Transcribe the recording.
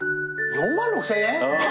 ４６，０００円！？